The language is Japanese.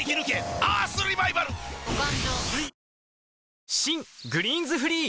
中新「グリーンズフリー」